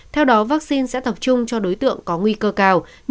theo đó vaccine sẽ tập trung cho đối tượng có nguy cơ cao